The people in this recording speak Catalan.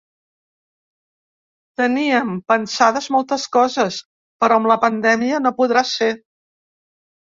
Teníem pensades moltes coses, però amb la pandèmia no podrà ser.